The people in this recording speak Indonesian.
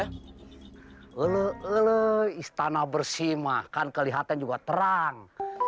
halo halo istana bersih makan kelihatan juga terang